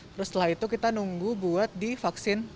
terus setelah itu kita nunggu buat di vaksin